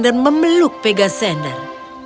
dan memeluk pegasender